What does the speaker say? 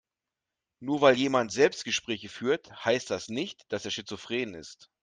Nur weil jemand Selbstgespräche führt, heißt das nicht, dass er schizophren ist.